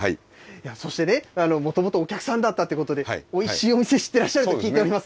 そしてね、もともとお客さんだったということで、おいしいお店、知っていらっしゃると聞いています。